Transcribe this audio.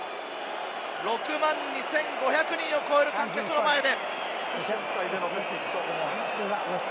６万２５００人を超える観客の前で。